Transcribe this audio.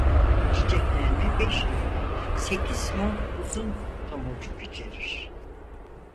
Çiçeklenme beş ila sekiz mor uzun tomurcuk içerir.